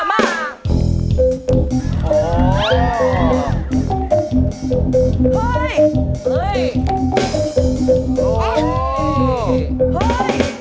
ขอบคุณครับ